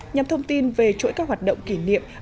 nhằm thông tin về chuỗi các hoạt động kỷ niệm